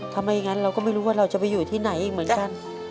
ถ้าไม่อย่างนั้นเราก็ไม่รู้ว่าเราจะไปอยู่ที่ไหนอีกเหมือนกัน